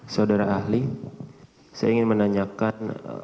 saudara ahli saya ingin menanyakan